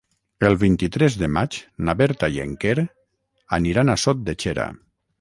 El vint-i-tres de maig na Berta i en Quer aniran a Sot de Xera.